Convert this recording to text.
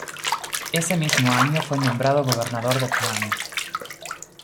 Ese mismo año fue nombrado gobernador de Klang.